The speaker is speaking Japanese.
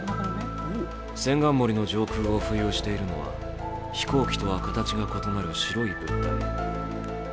千貫森の上空を浮遊しているのは飛行機とは形が異なる白い物体。